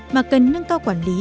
mà cần nâng cao quản lý